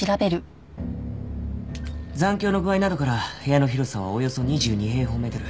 残響の具合などから部屋の広さはおよそ２２平方メートル。